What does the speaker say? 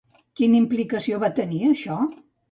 Quina implicació va tenir, això?